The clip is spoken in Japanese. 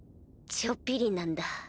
ちょっぴりなんだ。